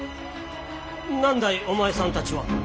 何だいお前さんたちは。